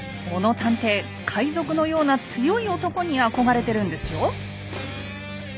小野探偵海賊のような強い男に憧れてるんですよ。